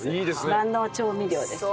万能調味料です。